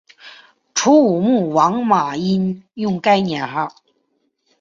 楚武穆王马殷用该年号。